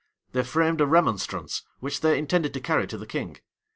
They framed a remonstrance, which they intended to carry to the king.